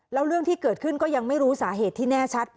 แล้วเรื่องที่เกิดขึ้นก็ยังไม่รู้สาเหตุที่แน่ชัด